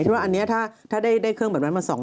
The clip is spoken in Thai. เพราะว่าอันนี้ถ้าได้เครื่องบัตรบันมาส่อง